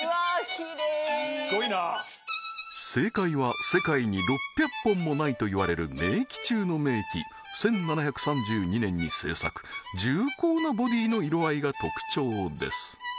きれいすっごいな正解は世界に６００本もないといわれる名器中の名器１７３２年に製作重厚なボディーの色合いが特徴です